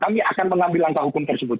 kami akan mengambil langkah hukum tersebut